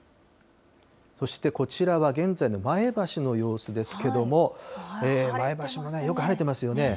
そしてこちらは現在の前橋の様子ですけども、前橋もよく晴れてますよね。